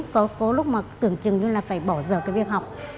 có lúc tưởng chừng phải bỏ giờ việc học